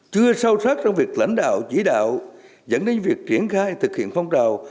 chưa sâu sát trong việc lãnh đạo chỉ đạo dẫn đến việc triển khai thực hiện phong trào